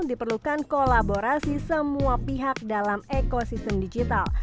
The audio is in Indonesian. diperlukan kolaborasi semua pihak dalam ekosistem digital